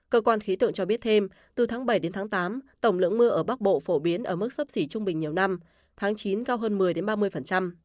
cơ quan khí tượng cho biết thêm từ tháng bảy đến tháng tám tổng lượng mưa ở bắc bộ phổ biến ở mức sấp xỉ trung bình nhiều năm tháng chín cao hơn một mươi ba mươi